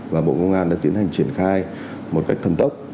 và bộ công an đã tiến hành triển khai một cách thần tốc